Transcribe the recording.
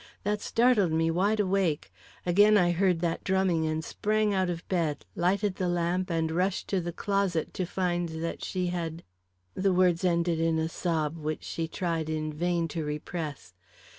That startled me wide awake. Again I heard that drumming, and sprang out of bed, lighted the lamp, and rushed to the closet to find that she had " The words ended in a sob, which she tried in vain to repress.